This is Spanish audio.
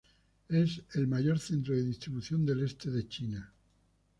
Es el mayor centro de distribución del este de China.